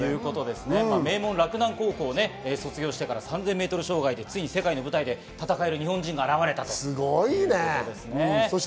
名門・洛南高校を卒業して３０００ｍ障害でついに世界の舞台で戦える日本人が現れました。